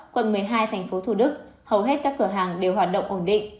quận một mươi hai tp thủ đức hầu hết các cửa hàng đều hoạt động ổn định